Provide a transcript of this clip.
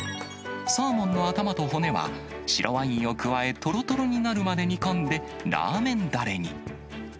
サーモンの頭と骨は、白ワインを加え、とろとろになるまで煮込んで、ラーメンだれに。